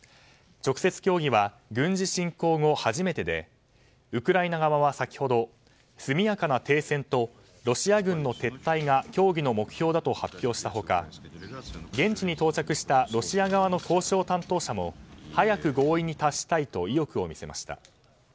直接協議は軍事侵攻後初めてでウクライナ側は先ほど速やかな停戦とロシア軍の撤退が協議の目標だと発表した他現地の到着したロシア側の交渉担当者も早く合意に達したいと意欲を見せました。